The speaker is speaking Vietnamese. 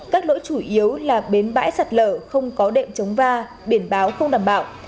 các lỗi chủ yếu là bến bãi sạt lở không có đệm chống va biển báo không đảm bảo